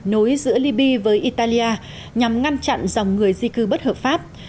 nối giữa libya với italia nhằm ngăn chặn dòng người di cư bất hợp pháp